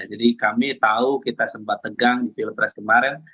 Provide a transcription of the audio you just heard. jadi kami tahu kita sempat tegang di pilpres kemarin